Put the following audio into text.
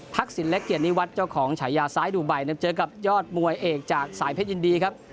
ทักษิณเล็กเกียรตินิวัสต์เจ้าของฉายาสายดูบัยเนี่ยเจอกับยอดมวยเอกจากสายเพชรยินดีครับ